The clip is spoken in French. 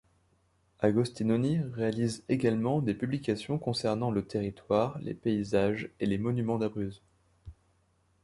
Agostinoni réalise également des publications concernant le territoire, les paysages et les monuments d'Abruzzes.